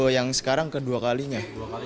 yang sekarang kedua kalinya